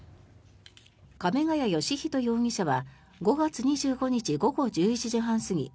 亀ケ谷嘉仁容疑者は５月２５日午後１１時半過ぎ